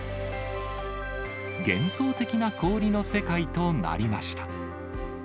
幻想的な氷の世界となりました。